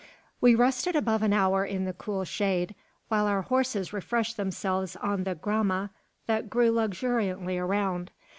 We rested above an hour in the cool shade, while our horses refreshed themselves on the "grama" that grew luxuriantly around.